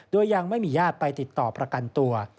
โดยยังไม่มีญาติไปติดต่อประกันตัว